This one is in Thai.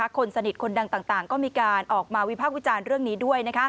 คนสนิทคนดังต่างก็มีการออกมาวิภาควิจารณ์เรื่องนี้ด้วย